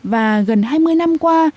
và gần hai mươi năm qua